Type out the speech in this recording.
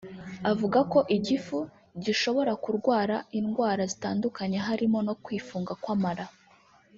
avuga ko igifu gishobora kurwara indwara zitandukanye harimo no kwifunga kw’amara